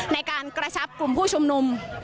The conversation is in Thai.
ในการกระชับกลุ่มผู้ชุมนุม